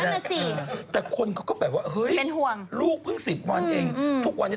นึกออกมาถ้าเบบีบลูอะไรนี่